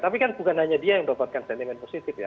tapi kan bukan hanya dia yang mendapatkan sentimen positif ya